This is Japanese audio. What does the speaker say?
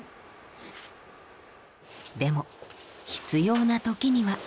でも必要なときには。